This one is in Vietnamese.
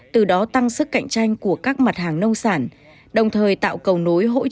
từ đó tăng sức cạnh tranh của các mặt hàng nông sản đồng thời tạo cầu nối hỗ trợ